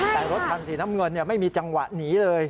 แต่รถคันสีน้ำเงินไม่มีจังหวะหนีเลย